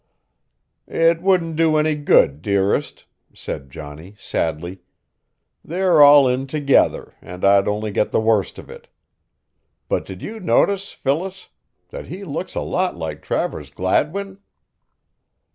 "It wouldn't do any good, dearest," said Johnny, sadly. "They're all in together and I'd only get the worst of it. But did you notice, Phyllis, that he looks a lot like Travers Gladwin?"